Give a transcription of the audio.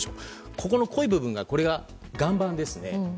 ここの濃い部分が岩盤です。